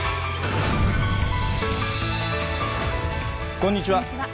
こんにちは。